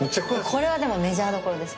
これは、でも、メジャーどころですか？